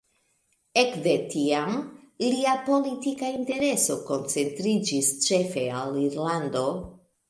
Ekde tiam lia politika intereso koncentriĝis ĉefe al Irlando.